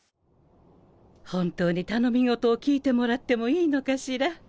本当に頼み事を聞いてもらってもいいのかしら？